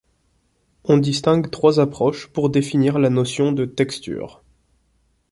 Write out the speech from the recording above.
On distingue trois approches pour définir la notion de texture.